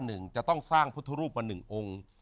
หนึ่งจะต้องสร้างพุทธรูปมาหนึ่งองค์